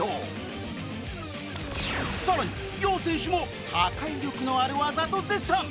更に ＹＯＨ 選手も「破壊力のある技」と絶賛